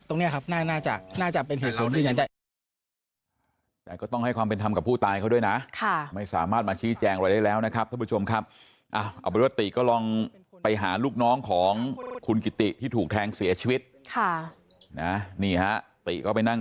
ตรงนี้น่าจะเป็นเหตุผลที่ยืนยันได้